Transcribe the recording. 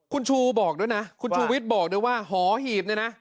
คุณชูบอกด้วยนะคุณชูวิทย์บอกด้วยว่าหอหีบเนี่ยนะ